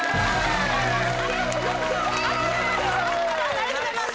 ありがとうございます。